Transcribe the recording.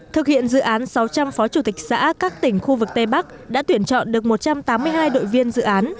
thực hiện dự án sáu trăm linh phó chủ tịch xã các tỉnh khu vực tây bắc đã tuyển chọn được một trăm tám mươi hai đội viên dự án